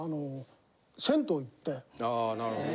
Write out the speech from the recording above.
ああなるほどね。